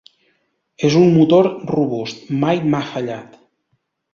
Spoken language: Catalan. És un motor robust, mai m'ha fallat.